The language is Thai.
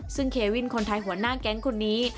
ซึ่งเควินคนไทยหัวหน้าแก๊งคนนี้